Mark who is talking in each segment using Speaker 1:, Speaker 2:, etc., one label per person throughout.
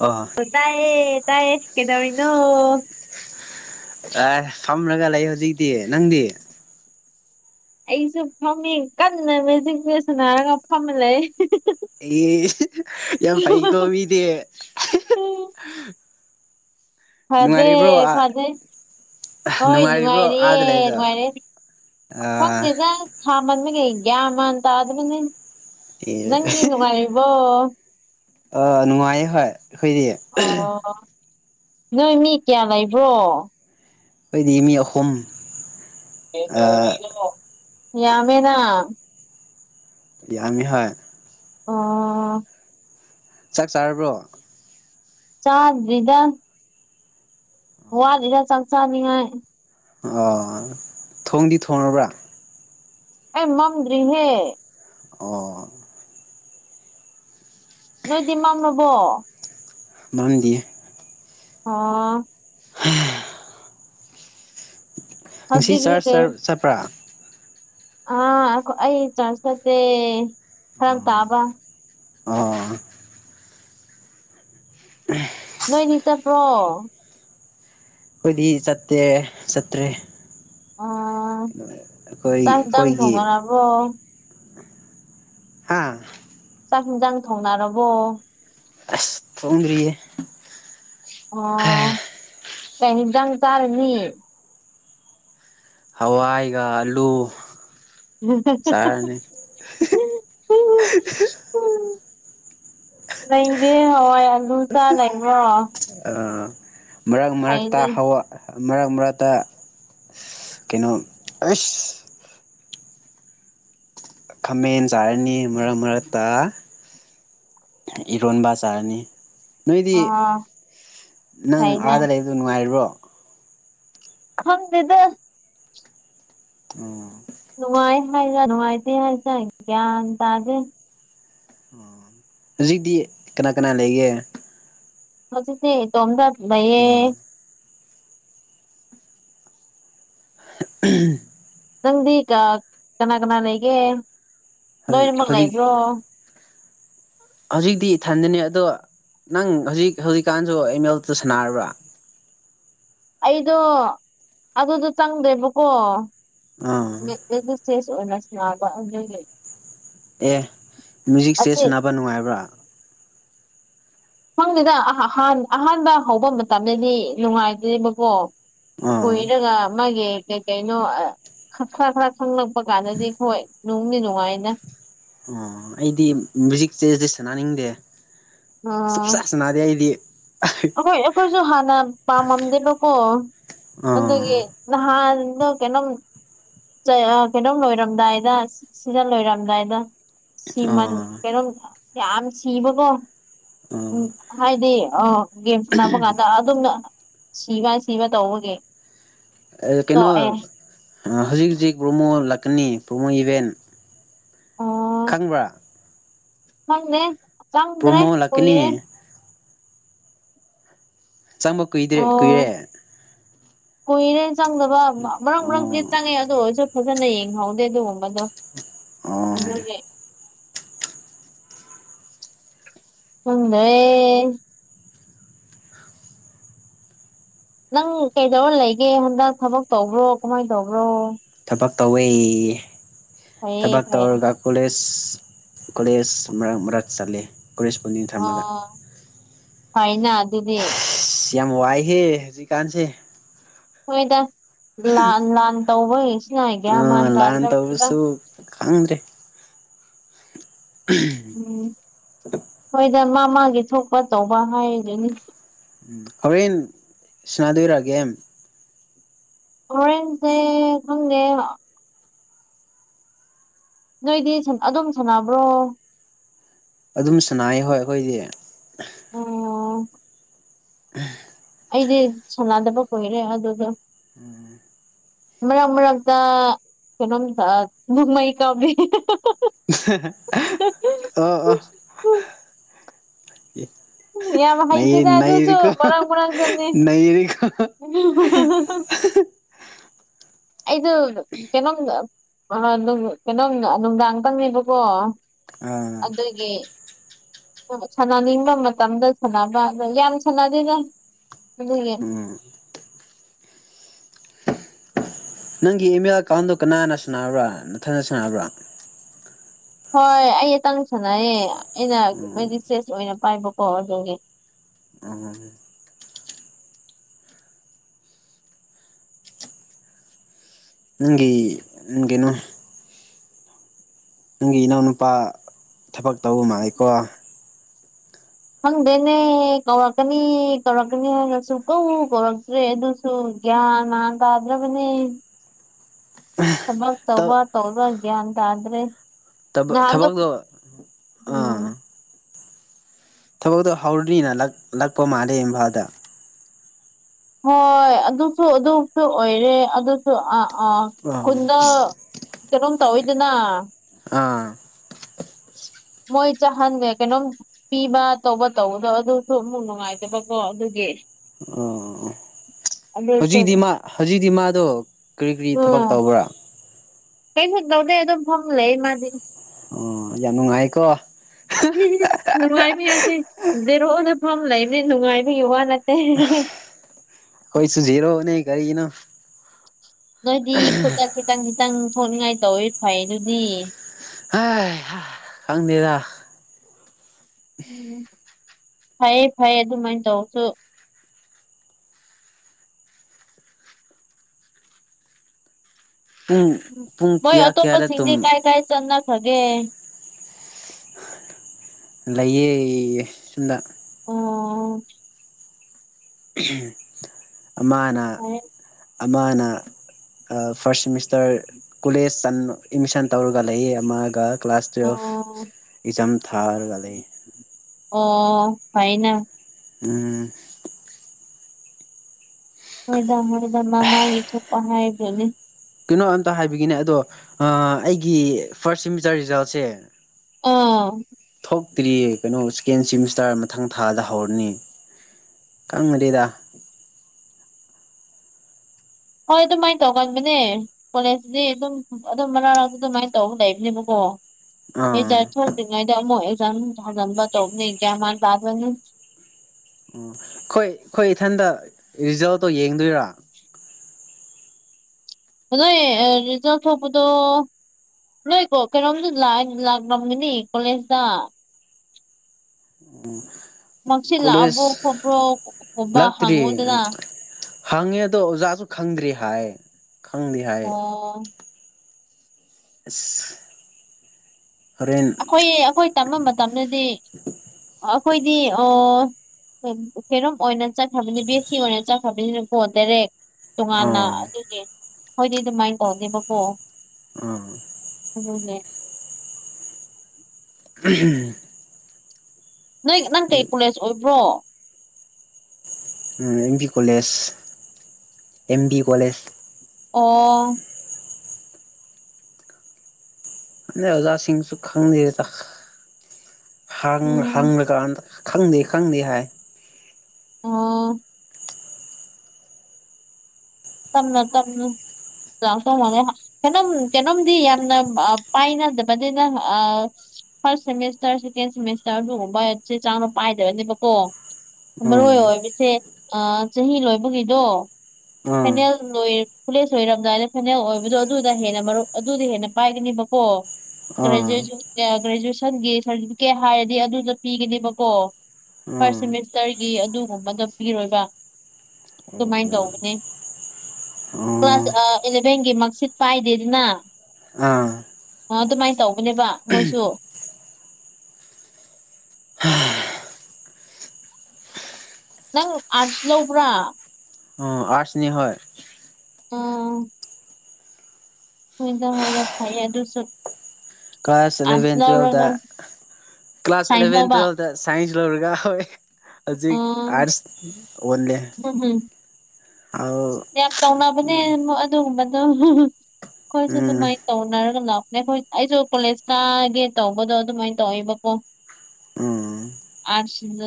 Speaker 1: ꯑꯥ
Speaker 2: ꯇꯥꯏꯌꯦ ꯇꯥꯏꯌꯦ ꯀꯩꯗꯧꯔꯤꯅꯣ
Speaker 1: ꯑꯦ ꯐꯝꯔꯒ ꯂꯩ ꯍꯧꯖꯤꯛꯇꯤ ꯅꯪꯗꯤ
Speaker 2: ꯑꯩꯁꯨ ꯐꯝꯃꯤ ꯀꯟꯅ ꯃꯦꯖꯤꯛꯆꯦꯆ ꯁꯥꯟꯅꯔꯒ ꯐꯝꯃ ꯂꯩ
Speaker 1: ꯑꯦ ꯌꯥꯝ ꯐꯩꯀꯣ ꯃꯤꯗꯤ [unintelligible]
Speaker 2: ꯐꯥꯗꯦ
Speaker 1: ꯅꯨꯡꯉꯥꯏꯔꯤꯕ꯭ꯔꯣ
Speaker 2: ꯐꯥꯗꯦ ꯍꯣꯏ
Speaker 1: ꯅꯨꯡꯉꯥꯏꯔꯤꯕ꯭ꯔꯣ
Speaker 2: ꯅꯨꯡꯉꯥꯏꯔꯦ
Speaker 1: ꯑꯥꯗ ꯂꯩꯕꯗꯣ
Speaker 2: ꯅꯨꯡꯉꯥꯏꯔꯦ
Speaker 1: ꯑꯥ
Speaker 2: ꯈꯪꯗꯦꯗ ꯁꯃꯥꯟꯕꯒꯤ ꯒꯌꯥꯟ ꯃꯥꯟ ꯇꯥꯗ꯭ꯔꯦꯅꯦ
Speaker 1: ꯑꯦ
Speaker 2: ꯅꯪꯗꯤ ꯅꯨꯡꯉꯥꯏꯔꯤꯕꯣ
Speaker 1: ꯑ ꯅꯨꯡꯉꯥꯏꯌꯦ ꯍꯣꯏ ꯑꯩꯈꯣꯏꯗꯤ ꯑꯩꯈꯣꯏꯗꯤ
Speaker 2: ꯑꯣ ꯅꯣꯏ ꯃꯤ ꯀꯌꯥ ꯂꯩꯕ꯭ꯔꯣ
Speaker 1: ꯑꯩꯈꯣꯏꯗꯤ ꯃꯤ ꯑꯍꯨꯝ
Speaker 2: ꯀꯩ
Speaker 1: ꯑꯥ
Speaker 2: ꯇꯧꯔꯤꯅꯣ ꯌꯥꯝꯃꯦꯅꯥ
Speaker 1: ꯌꯥꯝꯃꯤ ꯍꯣꯢ
Speaker 2: ꯑꯣ
Speaker 1: ꯆꯥꯛ ꯆꯥꯔꯕ꯭ꯔꯣ
Speaker 2: ꯆꯥꯗꯔꯤꯗ ꯋꯥꯗꯦꯗ ꯆꯥꯛ ꯆꯥꯅꯤꯡꯉꯥꯏ
Speaker 1: ꯑꯣ ꯊꯣꯡꯗꯤ ꯊꯣꯡꯉꯔꯕ꯭ꯔꯥ
Speaker 2: ꯑꯩ ꯃꯝꯗ꯭ꯔꯤꯍꯦ꯫
Speaker 1: ꯑꯣ꯫
Speaker 2: ꯅꯣꯏꯗꯤ ꯃꯝꯂꯕꯣ꯫
Speaker 1: ꯃꯝꯗꯤꯌꯦ꯫
Speaker 2: ꯑꯣ꯫
Speaker 1: ꯍꯌꯦ꯫ ꯉꯁꯤ
Speaker 2: ꯍꯧꯖꯤꯛꯇꯤ
Speaker 1: ꯆꯔ
Speaker 2: ꯀꯩ
Speaker 1: ꯆꯔ ꯆꯠꯄ꯭ꯔꯥ꯫
Speaker 2: ꯑꯥ ꯑꯩ ꯆꯥꯟꯁ ꯅꯠꯇꯦ ꯈꯔ ꯇꯥꯕ꯫
Speaker 1: ꯑꯣ
Speaker 2: ꯅꯣꯏꯅꯤ ꯆꯠꯄ꯭ꯔꯣ꯫
Speaker 1: ꯑꯩꯈꯣꯏꯗꯤ ꯆꯠꯇꯦ ꯆꯠꯇ꯭ꯔꯦ꯫ ꯑꯩꯈꯣꯏ
Speaker 2: ꯆꯥꯡ ꯍꯤꯟꯖꯥꯡ
Speaker 1: ꯑꯩꯈꯣꯏꯒꯤ
Speaker 2: ꯊꯣꯡꯅꯔꯕꯣ꯫
Speaker 1: ꯍꯥ
Speaker 2: ꯆꯥꯛ ꯏꯟꯖꯥꯡ ꯊꯣꯡꯅꯔꯕꯣ꯫
Speaker 1: ꯑꯁ ꯊꯣꯡꯗ꯭ꯔꯤꯌꯦ꯫ ꯍꯥ
Speaker 2: ꯑꯣ ꯀꯩ ꯍꯤꯟꯖꯥꯡ ꯆꯥꯔꯅꯤ꯫
Speaker 1: ꯍꯋꯥꯏꯒ ꯑꯜꯂꯨ
Speaker 2: [unintelligible] ꯎꯝ ꯅꯩꯔꯦ ꯍꯋꯥꯏ ꯑꯂꯨ ꯆꯥꯅꯕ꯭ꯔꯣ꯫
Speaker 1: ꯑꯥ ꯃꯔꯛ ꯃꯔꯛꯇ ꯍꯧ ꯃꯔꯛ ꯃꯔꯛꯇ ꯀꯩꯅꯣ ꯑꯁ ꯈꯥꯃꯦꯟ ꯆꯥꯔꯅꯤ ꯃꯔꯛ ꯃꯔꯛꯇ ꯏꯔꯣꯟꯕ ꯆꯥꯔꯅꯤ꯫ ꯅꯣꯏꯗꯤ
Speaker 2: ꯑꯥ
Speaker 1: ꯅꯪ
Speaker 2: ꯐꯩꯅꯦ
Speaker 1: ꯑꯥꯗ ꯂꯩꯕꯗ ꯅꯨꯡꯉꯥꯏꯔꯤꯕꯣ꯫
Speaker 2: ꯈꯪꯗꯦꯗ꯫
Speaker 1: ꯑꯣ꯫
Speaker 2: ꯅꯨꯡꯉꯥꯏ ꯍꯥꯏꯔ ꯅꯨꯡꯉꯥꯏꯇꯦ ꯍꯥꯏꯇꯥꯏ ꯒ꯭ꯌꯥꯟ ꯇꯥꯗꯦ꯫
Speaker 1: ꯑꯝ꯫ ꯍꯧꯖꯤꯛꯇꯤ ꯀꯅꯥ ꯀꯅꯥ ꯂꯩꯒꯦ꯫
Speaker 2: ꯑꯗꯨꯗꯤ ꯏꯇꯣꯝꯇ ꯂꯩꯌꯦ꯫
Speaker 1: ꯎꯝ ꯎꯝ꯫
Speaker 2: ꯅꯪꯗꯤ ꯀꯥ ꯀꯅꯥ ꯀꯅꯥ ꯂꯩꯒꯦ ꯅꯣꯏꯅꯤꯃꯛ
Speaker 1: ꯍꯧꯖꯤꯛ
Speaker 2: ꯂꯩꯕ꯭ꯔꯣ꯫
Speaker 1: ꯍꯧꯖꯤꯛꯇꯤ ꯏꯊꯟꯗꯅꯦ ꯑꯗꯣ ꯅꯪ ꯍꯧꯖꯤꯛ ꯍꯧꯖꯤꯛꯀꯥꯟꯁꯨ ꯑꯦꯝꯃꯦꯜꯇꯣ ꯁꯥꯟꯅꯔꯤꯕ꯭ꯔꯥ꯫
Speaker 2: ꯑꯩꯗꯣ ꯑꯗꯨꯗꯣ ꯆꯪꯗ꯭ꯔꯦꯕꯀꯣ꯫
Speaker 1: ꯑꯥ꯫
Speaker 2: ꯁꯤꯗꯩꯗꯤ ꯆꯦꯁ ꯑꯣꯏꯅ ꯁꯥꯟꯅꯕ ꯑꯗꯨꯒꯤ꯫
Speaker 1: ꯑꯦ ꯃ꯭ꯌꯨꯖꯤꯛꯁꯦ
Speaker 2: ꯑꯁꯤ
Speaker 1: ꯁꯥꯟꯅꯕ ꯅꯨꯡꯉꯥꯏꯕ꯭ꯔꯥ꯫
Speaker 2: ꯈꯪꯗꯦꯗꯥ ꯑꯍꯥꯟꯕ ꯑꯍꯥꯟꯕ ꯍꯧꯕ ꯃꯇꯝꯗꯗꯤ ꯅꯨꯡꯉꯥꯏꯇꯦꯕꯀꯣ꯫
Speaker 1: ꯑꯥ
Speaker 2: ꯀꯨꯏꯔꯒ ꯃꯥꯒꯤ ꯀꯩ ꯀꯩꯅꯣ꯫ ꯈꯔ ꯈꯔ ꯈꯪꯂꯛꯄ ꯀꯥꯟꯗꯗꯤ ꯍꯣꯏ ꯅꯨꯡꯗꯤ ꯅꯨꯡꯉꯥꯏꯅ꯫
Speaker 1: ꯑꯣ ꯑꯩꯗꯤ ꯃ꯭ꯌꯨꯖꯤꯛ ꯆꯦꯁꯦ ꯁꯥꯟꯅꯅꯤꯡꯗꯦ
Speaker 2: ꯑꯥ
Speaker 1: ꯁꯨꯡꯁꯥꯟ ꯁꯥꯟꯅꯗꯦ ꯑꯩꯗꯤ꯫
Speaker 2: ꯑꯩꯈꯣꯏ ꯑꯩꯈꯣꯏꯁꯨ ꯍꯥꯟꯅ ꯄꯥꯝꯃꯝꯗꯦꯕꯀꯣ ꯑꯗꯨꯒꯤ꯫
Speaker 1: ꯑꯥ
Speaker 2: ꯅꯍꯥꯟ ꯗꯣ ꯀꯩꯅꯣꯝ꯫ ꯀꯩꯅꯣꯝ ꯂꯣꯏꯔꯝꯗꯥꯏꯗ ꯁꯤꯅ ꯂꯣꯏꯔꯝꯗꯥꯏꯗ꯫ ꯁꯤꯃꯟ
Speaker 1: ꯑꯥ
Speaker 2: ꯀꯩꯅꯣꯝ ꯌꯥꯝ ꯁꯤꯕꯀꯣ꯫ ꯎꯝ
Speaker 1: ꯑꯥ
Speaker 2: ꯍꯥꯏꯗꯤ ꯑ ꯒꯦꯝꯁ ꯁꯥꯟꯅꯕ ꯀꯥꯟꯗ ꯑꯗꯨꯝꯅ꯫ ꯁꯤꯕ ꯁꯤꯕ ꯇꯧꯕꯒꯦ꯫
Speaker 1: ꯀꯩꯅꯣ ꯍꯧꯖꯤꯛ ꯍꯧꯖꯤꯛ ꯄ꯭ꯔꯣꯃꯣ ꯂꯥꯛꯀꯅꯤ ꯄ꯭ꯔꯣꯃꯣ ꯏꯚꯦꯟ꯫
Speaker 2: ꯑꯣ
Speaker 1: ꯈꯪꯕ꯭ꯔꯥ꯫
Speaker 2: ꯈꯪꯗꯦ ꯆꯪꯗ꯭ꯔꯦ
Speaker 1: ꯄ꯭ꯔꯣꯃꯣ ꯂꯥꯛꯀꯅꯤ
Speaker 2: ꯀꯨꯏꯔꯦ꯫
Speaker 1: ꯆꯪꯕ ꯀꯨꯏꯗ꯭ꯔꯦ ꯀꯨꯏꯔꯦ꯫
Speaker 2: ꯑꯣ ꯀꯨꯏꯔꯦ ꯆꯪꯗꯕ ꯃꯔꯛ ꯃꯔꯛꯇꯤ
Speaker 1: ꯑꯣ
Speaker 2: ꯆꯪꯉꯦ ꯑꯗꯨ ꯑꯣꯏꯁꯨ ꯐꯖꯅ ꯌꯦꯡꯍꯧꯗꯦ ꯑꯗꯨꯒꯨꯝꯕꯗꯣ
Speaker 1: ꯑꯣ
Speaker 2: [unintelligible] ꯈꯪꯗꯦ ꯅꯪ ꯀꯩꯗꯧꯔ ꯂꯩꯒꯦ ꯍꯟꯗꯛ ꯊꯕꯛ ꯇꯧꯕ꯭ꯔꯣ ꯀꯃꯥꯏ ꯇꯧꯕ꯭ꯔꯣ
Speaker 1: ꯊꯕꯛ ꯇꯧꯋꯦ
Speaker 2: ꯐꯩꯌꯦ
Speaker 1: ꯊꯕꯛ
Speaker 2: ꯐꯩꯌꯦ
Speaker 1: ꯇꯧꯔꯒ ꯀꯣꯂꯦꯖ ꯀꯣꯂꯦꯖ ꯃꯔꯛ ꯃꯔꯛ ꯆꯠꯂꯦ ꯀꯣꯔꯦꯁꯄꯣꯟꯗꯤꯡ ꯊꯝꯃꯒ
Speaker 2: ꯑꯣ ꯐꯩꯅ ꯑꯗꯨꯗꯤ
Speaker 1: ꯑꯁ ꯌꯥꯝ ꯋꯥꯏꯍꯦ ꯍꯧꯖꯤꯛꯀꯥꯟꯁꯦ꯫
Speaker 2: ꯍꯣꯏꯗ ꯂꯥꯟ ꯂꯥꯟ ꯇꯧꯕꯁꯤꯅ ꯒ꯭ꯌꯥꯟ ꯃꯥꯟ ꯇꯥꯗ꯭ꯔꯦꯗ꯫
Speaker 1: ꯈꯪꯗꯦ꯫
Speaker 2: ꯎꯝ ꯍꯣꯏꯗ ꯃꯥ ꯃꯥꯒꯤ ꯊꯣꯛꯄ ꯇꯧꯕ ꯍꯥꯏꯗꯨꯅꯤ꯫
Speaker 1: ꯍꯣꯔꯦꯟ ꯁꯥꯟꯅꯗꯣꯏꯔ ꯒꯦꯝ꯫
Speaker 2: ꯍꯣꯔꯦꯟꯖꯦ ꯈꯪꯗꯦ꯫ ꯅꯣꯏꯗꯤ ꯑꯗꯨꯝ ꯁꯥꯟꯅꯕ꯭ꯔꯣ꯫
Speaker 1: ꯑꯗꯨꯝ ꯁꯅꯥꯏ ꯍꯣꯏ ꯑꯩꯈꯣꯏꯗꯤ꯫
Speaker 2: ꯑꯣ꯫
Speaker 1: [unintelligible]
Speaker 2: ꯑꯩꯗꯤ ꯁꯥꯟꯅꯗꯕ ꯀꯨꯏꯔꯦ ꯑꯗꯨꯗ
Speaker 1: ꯎꯝ
Speaker 2: ꯃꯔꯛ ꯃꯔꯛꯇ ꯄꯨꯅꯨꯝ ꯗꯨꯃꯏ ꯀꯥꯕꯤ [unintelligible]
Speaker 1: ꯑ ꯑ [unintelligible]
Speaker 2: ꯌꯥꯝ
Speaker 1: ꯅꯩꯌꯦ
Speaker 2: ꯍꯩꯇꯦꯗ ꯑꯗꯨꯁꯨ
Speaker 1: ꯅꯩꯔꯤꯀꯣ ꯅꯩꯔꯤꯀꯣ
Speaker 2: ꯎ [unintelligible] ꯑꯩꯁꯨ ꯀꯩꯅꯣꯝ ꯀꯩꯅꯣꯝ ꯅꯨꯡꯗꯥꯡꯇꯪꯅꯦꯕꯀꯣ
Speaker 1: ꯑꯥ
Speaker 2: ꯑꯗꯨꯒꯤ ꯁꯥꯟꯅꯅꯤꯡꯕ ꯃꯇꯝꯗ ꯁꯥꯟꯅꯕ ꯌꯥꯝ ꯁꯥꯟꯅꯗꯦꯗ ꯑꯗꯨꯦ꯫ [unintelligible]
Speaker 1: ꯎꯝ ꯅꯪꯒꯤ ꯏꯃꯦꯜ ꯑꯦꯀꯥꯎꯟꯗꯣ ꯀꯅꯥꯅ ꯁꯨꯅꯔꯕ꯭ꯔꯥ ꯅꯊꯟꯅ ꯁꯥꯟꯅꯕ꯭ꯔꯥ
Speaker 2: ꯍꯣꯏ ꯑꯩꯇꯪ ꯁꯥꯟꯅꯩꯌꯦ ꯑꯩꯅ
Speaker 1: ꯎꯝ
Speaker 2: ꯑꯩꯗꯤ ꯆꯦꯁ ꯑꯣꯏꯅ ꯄꯥꯏꯕꯀꯣ ꯑꯗꯨꯒꯤ
Speaker 1: ꯎꯝ ꯅꯪꯒꯤ ꯎꯝ ꯒꯩꯅꯣ ꯅꯪꯒꯤ ꯏꯅꯥꯎꯅꯨꯄꯥ ꯊꯕꯛ ꯇꯧꯕ ꯃꯥꯜꯂꯤꯀꯣ
Speaker 2: ꯈꯪꯗꯦꯅꯦ ꯀꯧꯔꯛꯀꯅꯤ ꯀꯧꯔꯛꯀꯅꯤ ꯍꯥꯏꯅ ꯁꯨꯡꯀꯧ ꯀꯧꯔꯛꯇ꯭ꯔꯦ ꯑꯗꯨꯁꯨ ꯁꯨꯒꯤꯌꯥꯟ ꯃꯥꯟꯇꯗ꯭ꯔꯕꯅꯦ ꯊꯕꯛ
Speaker 1: ꯇ
Speaker 2: ꯇꯧꯕ ꯇꯧꯕ ꯒꯤꯌꯥꯟꯇꯗ꯭ꯔꯦ
Speaker 1: ꯊꯕꯛ
Speaker 2: ꯅꯍꯥꯟꯗ
Speaker 1: ꯊꯕꯛꯇꯣ
Speaker 2: ꯎꯝ
Speaker 1: ꯑꯥ ꯊꯕꯛꯇꯣ ꯍꯧꯔꯅꯤꯅ ꯂꯛ ꯂꯛꯄ ꯃꯥꯜꯂꯦ ꯏꯝꯐꯥꯜꯗ
Speaker 2: ꯍꯣꯏ ꯑꯗꯨꯁꯨ ꯑꯗꯨꯁꯨ ꯑꯣꯏꯔꯦ ꯑꯗꯨꯁꯨ ꯑ
Speaker 1: ꯑꯥ
Speaker 2: ꯈꯨꯟꯗ ꯀꯩꯅꯣꯝ ꯇꯧꯏꯗꯅ
Speaker 1: ꯑꯥ
Speaker 2: ꯃꯣꯏ ꯆꯍꯥꯟꯗꯦ ꯀꯩꯅꯣꯝ ꯄꯤꯕ ꯇꯧꯕ ꯇꯧꯕꯗꯣ ꯑꯗꯨꯁꯨ ꯑꯃꯨꯛ ꯅꯨꯡꯉꯥꯏꯇꯕꯀꯣ ꯑꯗꯨꯒꯤ
Speaker 1: ꯑꯣ
Speaker 2: ꯑꯗꯨꯁꯨ
Speaker 1: ꯍꯧꯖꯤꯛꯇꯤ ꯃꯥ ꯍꯧꯖꯤꯛꯇꯤ ꯃꯥꯗꯣ ꯀꯔꯤ ꯀꯔꯤ ꯊꯕꯛ ꯇꯧꯕ꯭ꯔꯥ
Speaker 2: ꯀꯩꯝꯁꯨ ꯇꯧꯗꯩ ꯑꯗꯨꯝ ꯐꯝ ꯂꯩꯌꯦ ꯃꯥꯗꯤ
Speaker 1: ꯑꯣ ꯌꯥꯝ ꯅꯨꯡꯉꯥꯏꯀꯣ
Speaker 2: ꯅꯨꯡꯉꯥꯏꯕ ꯌꯥꯗꯦ ꯖꯦꯔꯣꯛꯅꯐꯝꯝ ꯂꯩꯕꯅꯤ ꯅꯨꯡꯉꯥꯏꯕꯒꯤ ꯋꯥ ꯅꯠꯇꯦ
Speaker 1: ꯑꯈꯣꯏꯁꯨꯨ ꯖꯤꯔꯣꯅꯤ ꯀꯔꯤꯅꯣ
Speaker 2: ꯅꯣꯏꯗꯤ ꯈꯨꯠꯇ ꯈꯤꯇꯪ ꯈꯤꯇꯪ ꯊꯣꯛꯅꯤꯡꯉꯥꯏ ꯇꯧꯋꯤ ꯐꯩ ꯑꯗꯨꯗꯤ
Speaker 1: ꯍꯩ ꯍꯥ ꯈꯪꯗꯦꯗ
Speaker 2: ꯎꯝ ꯐꯩꯌꯦ ꯐꯩꯌꯦ ꯑꯗꯨꯃꯥꯏꯅ ꯇꯧꯔꯁꯨ
Speaker 1: ꯄꯨꯡ
Speaker 2: ꯎꯝ
Speaker 1: ꯄꯨꯡ
Speaker 2: ꯃꯣꯏ
Speaker 1: ꯀꯌꯥ
Speaker 2: ꯑꯇꯣꯞꯄ
Speaker 1: ꯀꯌꯥꯗ
Speaker 2: ꯁꯤꯡꯗꯤ
Speaker 1: ꯇꯨꯝ
Speaker 2: ꯀꯥꯏ ꯀꯥꯏ ꯆꯠꯅꯥ ꯈꯔꯒꯦ
Speaker 1: ꯂꯩꯌꯦ ꯁꯨꯟꯗ
Speaker 2: ꯑꯣ
Speaker 1: ꯑꯃꯅ
Speaker 2: ꯐꯔꯦ
Speaker 1: ꯑꯃꯅ ꯑꯥ ꯐꯥꯔꯁ ꯁꯤꯃꯤꯁꯇꯔ ꯀꯣꯂꯦꯖ ꯆꯟ ꯑꯦꯠꯃꯤꯁꯟ ꯇꯧꯔꯒ ꯂꯩꯌꯦ ꯑꯃꯒ ꯀ꯭ꯂꯥꯁ ꯇ꯭ꯋꯦꯜꯐ
Speaker 2: ꯑꯣ
Speaker 1: ꯑꯦꯛꯖꯥꯝ ꯊꯥꯔꯒ ꯂꯩꯌꯦ
Speaker 2: ꯑꯣ ꯐꯩꯏꯅ
Speaker 1: ꯎꯝ
Speaker 2: ꯍꯣꯏꯗ ꯍꯣꯏꯗ ꯃꯥꯏ ꯃꯥꯏ ꯊꯣꯛꯄ ꯍꯥꯏꯈ꯭ꯔꯦꯅꯦ
Speaker 1: ꯀꯩꯅꯣ ꯑꯝꯇ ꯍꯥꯏꯕꯒꯤꯅꯦ ꯑꯗꯣ ꯑꯥ ꯑꯩꯒꯤ ꯐꯥꯔꯁ ꯁꯦꯃꯤꯁꯇꯔ ꯔꯤꯖꯜꯁꯦ
Speaker 2: ꯑꯥ
Speaker 1: ꯊꯣꯛꯇ꯭ꯔꯤꯌꯦ ꯀꯩꯅꯣ ꯁꯦꯀꯦꯟ ꯁꯤꯃꯤꯁꯇꯥꯔ ꯃꯊꯪ ꯊꯥꯗ ꯍꯧꯔꯅꯤ ꯀꯪꯅꯗꯦꯗ
Speaker 2: ꯍꯣꯏ ꯑꯗꯨꯃꯥꯏ ꯇꯧꯒꯟꯕꯅꯦ ꯀꯣꯂꯦꯖꯇꯗꯤ ꯑꯗꯨꯝ ꯑꯗꯨꯝ ꯃꯔꯥ ꯃꯔꯥꯛꯛꯇ ꯑꯗꯨꯃꯥꯏꯅ ꯇꯧꯔ ꯂꯩꯕꯅꯦꯕꯀꯣ
Speaker 1: ꯑꯥ
Speaker 2: ꯔꯤꯖꯜ
Speaker 1: ꯑꯣ
Speaker 2: ꯊꯣꯛꯇꯔꯤꯉꯩꯗ ꯑꯃꯨꯛ ꯑꯦꯛꯖꯥꯝ ꯊꯥꯡꯖꯤꯟꯕ ꯇꯧꯕꯅꯦ ꯑꯦꯛꯖꯥ ꯃꯦꯟ [unintelligible]
Speaker 1: ꯑꯣ ꯈꯣꯏ ꯑꯩꯈꯣꯏ ꯏꯊꯟꯗ ꯔꯤꯖꯜꯇꯣ ꯌꯦꯡꯗꯣꯏꯔꯥ
Speaker 2: [unintelligible] ꯔꯤꯖꯜ ꯊꯣꯛꯄꯗꯣ ꯅꯣꯏꯀꯣ ꯀꯩꯅꯣꯝꯗ ꯂꯥꯛ ꯂꯥꯛꯂꯝꯒꯅꯤ ꯀꯣꯂꯦꯖꯇ
Speaker 1: ꯎꯝ
Speaker 2: ꯃꯥꯔꯛꯁꯤꯠ
Speaker 1: ꯀꯣꯂꯦꯖ
Speaker 2: ꯂꯥꯛꯑꯕꯣ ꯈꯣꯠꯄ꯭ꯔꯣ ꯒꯨꯝꯕ
Speaker 1: ꯂꯥꯛꯇꯔꯤ
Speaker 2: ꯍꯪꯉꯨꯗꯅ
Speaker 1: ꯍꯪꯉꯦ ꯑꯗꯣ ꯑꯣꯖꯥꯁꯨ ꯈꯪꯗ꯭ꯔꯤ ꯍꯥꯏ ꯈꯪꯗ꯭ꯔꯤ ꯍꯥꯏ
Speaker 2: ꯑꯣ
Speaker 1: ꯏꯁ ꯍꯣꯔꯦꯟ
Speaker 2: ꯑꯩꯈꯣꯏ ꯑꯩꯈꯣꯏ ꯇꯝꯕ ꯃꯇꯝꯗꯗꯤ ꯑꯩꯈꯣꯏꯗꯤ ꯑꯣ ꯀꯦꯔꯝ ꯑꯣꯏꯅ ꯆꯠꯈ꯭ꯔꯕꯅꯤ ꯕꯦꯁꯤ ꯑꯣꯏꯅ ꯆꯠꯈ꯭ꯔꯕꯅꯤꯅꯀꯣ ꯗꯥꯏꯔꯦꯛ ꯇꯣꯉꯥꯟꯅ
Speaker 1: ꯑꯥ
Speaker 2: ꯑꯗꯨꯒꯤ ꯍꯣꯏꯗꯤ ꯑꯗꯨꯃꯥꯏꯅ ꯇꯧꯗꯦꯕꯀꯣ
Speaker 1: ꯑꯥ
Speaker 2: ꯑꯗꯨꯒꯤ
Speaker 1: ꯎꯝ ꯍꯝ
Speaker 2: ꯅꯣꯏ ꯅꯪ ꯀꯩ ꯀꯣꯂꯦꯖ ꯑꯣꯏꯕ꯭ꯔꯣ
Speaker 1: ꯎꯝ M P college M B college
Speaker 2: ꯑꯣ
Speaker 1: [unintelligible] ꯑꯦꯖꯥꯁꯤꯡꯁꯨ ꯈꯪꯗꯦꯗ ꯍꯪ
Speaker 2: ꯎꯝ
Speaker 1: ꯍꯪꯔꯀꯥꯟꯗ ꯈꯪꯗꯦ ꯈꯪꯗꯦ ꯍꯥꯏ
Speaker 2: ꯑꯣ ꯇꯞꯅꯨ ꯇꯞꯅꯨ ꯀꯥꯜꯁꯅꯋꯥꯡꯉꯦ ꯍꯥ ꯀꯩꯅꯣꯝ ꯀꯩꯅꯣꯝꯗꯤ ꯌꯥꯝꯅ ꯄꯥꯏꯅꯗꯕꯅꯤꯅ ꯑꯥ ꯐꯥꯔꯁ ꯁꯦꯃꯦꯁꯇꯔ ꯁꯦꯀꯦꯟ ꯁꯦꯃꯦꯁꯇꯔ ꯑꯗꯨꯒꯨꯝꯕ ꯆꯦ ꯆꯥꯡꯅ ꯄꯥꯏꯗꯕꯅꯦꯕꯀꯣ
Speaker 1: ꯎꯝ
Speaker 2: ꯃꯔꯣꯏ ꯑꯣꯏꯕꯁꯦ ꯑꯥ ꯆꯍꯤ ꯂꯣꯏꯕꯒꯤꯗꯣ
Speaker 1: ꯎꯝ
Speaker 2: ꯐꯥꯏꯅꯦꯜ ꯀꯣꯂꯦꯖ ꯑꯣꯏꯔꯝꯗꯥꯏꯅ ꯐꯥꯏꯅꯦꯜ ꯑꯣꯏꯕꯗꯣ ꯑꯗꯨꯗ ꯍꯦꯟꯅ ꯃꯔꯨꯞ ꯑꯗꯨꯗ ꯍꯦꯟꯅ ꯄꯥꯏꯒꯅꯦꯕꯀꯣ
Speaker 1: ꯑꯥ
Speaker 2: ꯒ꯭ꯔꯦꯖ ꯒ꯭ꯔꯦꯖꯨꯑꯦꯁꯟꯒꯤ ꯁꯥꯔꯇꯤꯐꯤꯀꯦꯠ ꯍꯥꯏꯔꯗꯤ ꯑꯗꯨꯗ ꯄꯤꯒꯅꯦꯕꯀꯣ
Speaker 1: ꯎꯝ
Speaker 2: ꯐꯥꯔꯁ ꯁꯦꯃꯦꯁꯇꯔꯒꯤ ꯑꯗꯨꯒꯨꯝꯕꯗ ꯄꯤꯔꯣꯏꯕ ꯑꯗꯨꯃꯥꯏꯅ ꯇꯧꯕꯅꯦ
Speaker 1: ꯑꯣ
Speaker 2: ꯀ꯭ꯂꯥꯁ ꯏꯂꯚꯦꯟꯒꯤ ꯃꯛꯁꯤꯠ ꯄꯥꯏꯗꯦꯗꯅ
Speaker 1: ꯑꯥ
Speaker 2: ꯑꯣ ꯑꯗꯨꯃꯥꯏꯅ ꯇꯧꯕꯅꯦꯕ ꯃꯣꯏꯁꯨ ꯅꯪ ꯑꯥꯔꯠꯁ ꯂꯧꯕ꯭ꯔꯥ
Speaker 1: ꯎ ꯑꯔꯠꯁꯅꯤ ꯍ
Speaker 2: ꯑ ꯍꯗ ꯍꯣꯏꯗ ꯐꯌꯦ ꯑꯗꯨꯁꯨ
Speaker 1: ꯀ꯭ꯂꯥꯁ
Speaker 2: ꯑꯥꯔꯠꯁ
Speaker 1: ꯑꯦꯂꯚꯦꯟ ꯇꯨꯋꯜꯕꯇ
Speaker 2: ꯂꯧꯔꯒ
Speaker 1: ꯀ꯭ꯂꯥꯁ
Speaker 2: ꯁꯥꯏꯟꯁ
Speaker 1: ꯑꯦꯂꯚꯦꯟ
Speaker 2: ꯂꯧꯕ
Speaker 1: ꯇꯨꯋꯜ ꯁꯥꯏꯟꯁ ꯂꯧꯔꯒ ꯍꯣꯏ ꯍꯧꯖꯤꯛ ꯑꯥꯔꯠꯁ ꯑꯣꯟꯂꯦ
Speaker 2: ꯎꯝꯝ ꯌꯥꯝ ꯇꯧꯅꯕꯅꯦ
Speaker 1: ꯎꯝ
Speaker 2: ꯑꯗꯨꯒꯨꯝꯕꯗꯣ ꯀ
Speaker 1: ꯎꯝ
Speaker 2: ꯃꯥꯏ ꯇꯧꯅꯔꯒ ꯂꯥꯛꯅꯦ ꯍꯈꯣꯏ ꯑꯩꯁꯨ ꯀꯣꯂꯦꯖ ꯇꯥꯒꯦ ꯇꯧꯕꯗꯣ ꯑꯗꯨꯃꯥꯏꯅ ꯇꯧꯋꯦꯕꯀꯣ
Speaker 1: ꯎꯝ
Speaker 2: ꯑꯔꯠꯁ ꯅ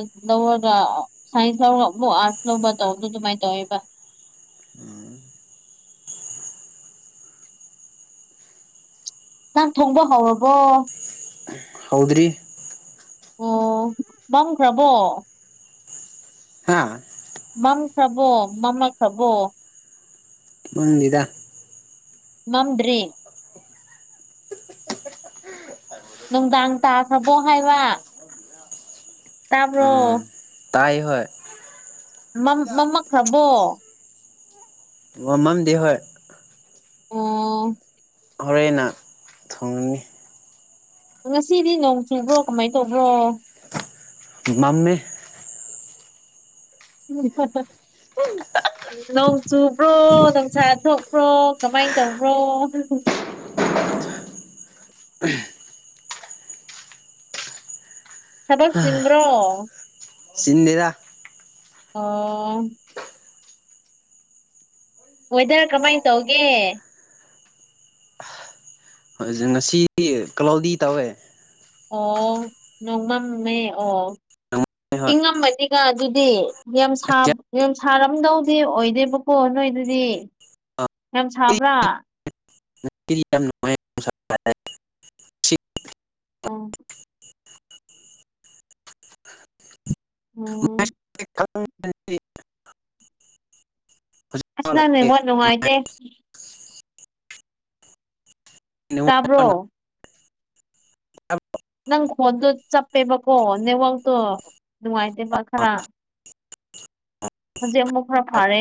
Speaker 2: ꯁꯥꯏꯟꯁꯠꯁ ꯂꯧꯕ ꯇꯧꯕꯗꯣ ꯑꯗꯨꯃꯥꯏꯅ ꯇꯧꯋꯦꯕ
Speaker 1: ꯎꯝ
Speaker 2: ꯅꯍꯥꯟ ꯊꯣꯡꯕ ꯍꯧꯥꯎꯔꯕꯣ
Speaker 1: ꯍꯥꯎꯗ꯭ꯔꯤ
Speaker 2: ꯑꯣ ꯈ꯭ꯔꯥꯕꯣ
Speaker 1: ꯍꯥꯥ
Speaker 2: ꯃꯝ ꯁꯕꯣ ꯃꯃꯥ ꯁꯕꯣ
Speaker 1: ꯪꯅꯤꯗ
Speaker 2: ꯃꯝꯗ꯭ꯔꯤ ꯅꯨꯡꯗꯥꯡ ꯇꯥꯈ꯭ꯔꯕꯣ ꯍꯥꯏꯕ ꯇꯕꯣ
Speaker 1: ꯎꯝ ꯇꯥꯏ ꯍ
Speaker 2: ꯃꯝꯃꯛꯈ꯭ꯔꯕꯣ
Speaker 1: ꯑꯣꯃꯝꯗꯤ ꯍꯣꯏ
Speaker 2: ꯑꯣ
Speaker 1: ꯍꯣꯔꯦꯟꯟꯅ ꯊꯣꯡꯉꯅꯤ
Speaker 2: ꯉꯁꯤꯗꯤ ꯅꯣꯡ ꯆꯨꯕ꯭ꯔꯣ ꯀꯃꯥꯏꯅ ꯇꯧꯕ꯭ꯔꯣ
Speaker 1: ꯃꯝꯃꯦ
Speaker 2: ꯎꯝ ꯐ ꯅꯣꯡ ꯆꯨꯕ꯭ꯔꯣ ꯅꯧꯁꯥ ꯊꯣꯛꯄ꯭ꯔꯣ ꯀꯃꯥꯏꯅ ꯇꯧꯕ꯭ꯔꯣ ꯈꯗꯞ ꯆꯤꯟꯕ꯭ꯔꯣ
Speaker 1: ꯁꯤꯁꯤꯡꯟꯅꯤꯔ
Speaker 2: ꯑꯣ ꯋꯦꯗꯔ ꯀꯃꯥꯏꯅ ꯇꯧꯒꯦ
Speaker 1: ꯍꯣꯏ ꯉꯁꯤꯗꯤ ꯀꯂꯥꯎꯗꯤ ꯇꯧꯋꯦ
Speaker 2: ꯑꯣ ꯅꯣꯡꯃꯃꯦ ꯑꯣ
Speaker 1: ꯍꯣꯏ
Speaker 2: ꯏꯪꯉꯝꯃꯅꯤꯒ ꯑꯗꯨꯗꯤ ꯌꯥꯝ ꯌꯥꯝ ꯁꯥꯔꯝꯗꯧꯗꯤ ꯑꯣꯏꯗꯣꯏꯕ ꯍꯣ ꯅꯣꯏ ꯑꯗꯨꯗꯤ ꯌꯥꯝ ꯁꯥꯕ꯭ꯔꯥ
Speaker 1: ꯌꯥꯝ ꯅꯨꯡꯉꯥꯏ
Speaker 2: ꯑꯣ ꯎꯝ
Speaker 1: ꯃ
Speaker 2: ꯑꯁ
Speaker 1: ꯍꯧꯖꯤꯛ
Speaker 2: ꯅꯪꯅꯦꯉꯣꯟꯅꯨꯡꯉꯥꯏꯇꯦ ꯇꯥꯕ꯭ꯔꯣ ꯅꯪ ꯈꯣꯟꯗꯣ ꯆꯞꯄꯦꯕꯀꯣ ꯅꯦꯠꯋꯥꯛꯛꯇꯣ ꯅꯨꯡꯉꯥꯏꯇꯦꯕ ꯈꯔ ꯍꯧꯖꯤꯛ ꯑꯃꯨꯛ ꯈꯔ ꯐꯥꯔꯦ